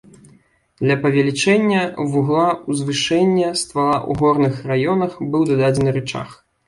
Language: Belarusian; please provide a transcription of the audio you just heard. Для павелічэння вугла узвышэння ствала ў горных раёнах быў дададзены рычаг.